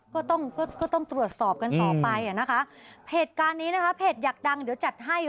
ก็ต้องก็ต้องตรวจสอบกันต่อไปอ่ะนะคะเหตุการณ์นี้นะคะเพจอยากดังเดี๋ยวจัดให้